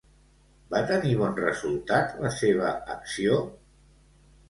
Va tenir bon resultat la seva acció?